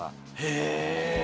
へぇ。